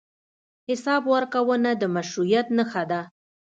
حساب ورکونه د مشروعیت نښه ده.